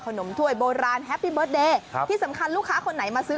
ถมถ้วยโบราณแฮปปี้เบิร์ตเดย์ครับที่สำคัญลูกค้าคนไหนมาซื้อ